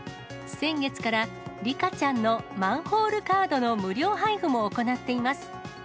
先月からリカちゃんのマンホールカードの無料配布も行っています。